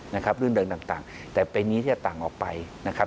นะครับเรื่องเริงต่างแต่ปีนี้จะต่างออกไปนะครับ